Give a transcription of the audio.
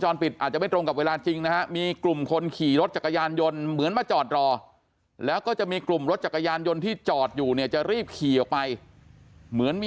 รถไฟสายเกนาฝั่งเย้ง